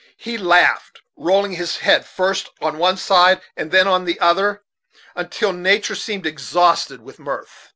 He laughed, rolling his head first on one side, then on the other, until nature seemed exhausted with mirth.